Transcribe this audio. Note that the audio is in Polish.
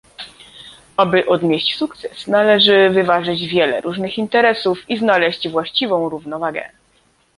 Aby odnieść sukces, należy wyważyć wiele różnych interesów i znaleźć właściwą równowagę